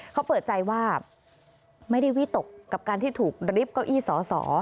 เขาเปิดใจว่าไม่ได้วิตกกับการที่ถูกริบเก้าอี้สอสอ